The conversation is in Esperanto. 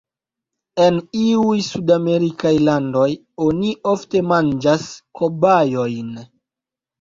En iuj sudamerikaj landoj oni ofte manĝas kobajojn.